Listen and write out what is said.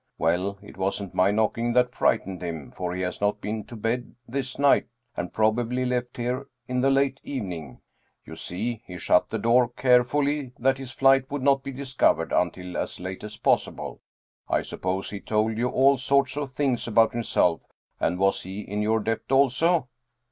Well, it wasn't my knocking that frightened him, for he has not been to bed this night and probably left here in the late evening. You see, he shut the door carefully that his flight would not be discovered until as late as possible. I suppose he told you all sorts of things about himself, and was he in your debt also?"